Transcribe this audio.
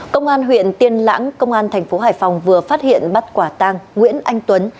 công an huyện tiên lãng công an tp hải phòng vừa phát hiện bắt quả tang nguyễn anh tuấn